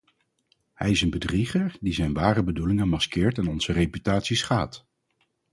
Hij is een bedrieger die zijn ware bedoelingen maskeert en onze reputatie schaadt.